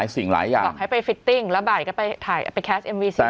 สิ่งหลายอย่างบอกให้ไปฟิตติ้งแล้วบ่ายก็ไปถ่ายไปแคสเอ็มวีซี